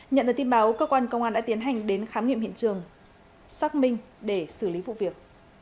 nhận được tin báo cơ quan công an đã tiến hành đến khám nghiệm hiện trường xác minh để xử lý vụ việc